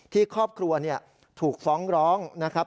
ที่ครอบครัวถูกฟ้องร้องนะครับ